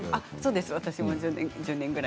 私も１０年ぐらい。